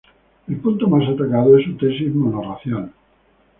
El punto más atacado es su tesis mono racial.